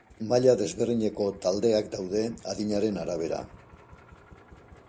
Maila desberdineko taldeak daude, adinaren arabera.